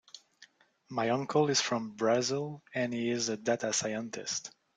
My uncle is from Brazil and he is a data scientist.